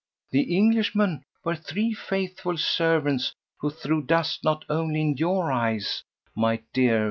"The Englishmen were three faithful servants who threw dust not only in your eyes, my dear M.